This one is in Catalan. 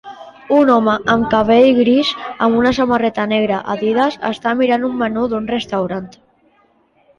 Un home amb cabell gris amb una samarreta negra Adidas està mirant un menú d'un restaurant.